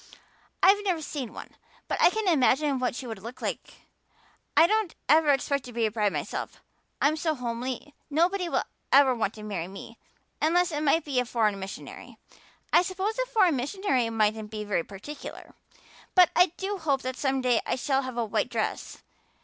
I've never seen one, but I can imagine what she would look like. I don't ever expect to be a bride myself. I'm so homely nobody will ever want to marry me unless it might be a foreign missionary. I suppose a foreign missionary mightn't be very particular. But I do hope that some day I shall have a white dress.